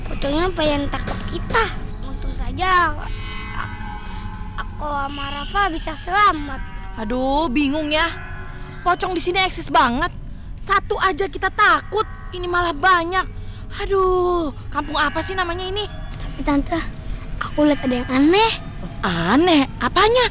udah bang lanjut lagi main handphonenya